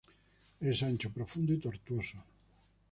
Es ancho, profundo y tortuoso.